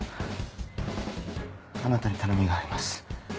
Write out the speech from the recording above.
あなたに頼みがあります。